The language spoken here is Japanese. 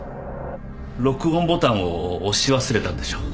録音ボタンを押し忘れたんでしょう。